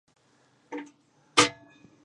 چلم د نشه يي توکو لپاره کارېږي